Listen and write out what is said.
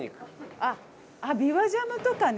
あっびわジャムとかね。